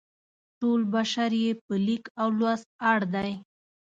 ټول بشر یې په لیک او لوست اړ دی.